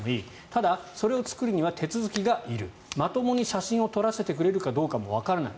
ただ、それを作るには手続きがいるまともに写真を撮らせてくれるかもわからない。